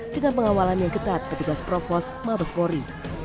dengan pengawalan yang ketat ketika seprofos mabespori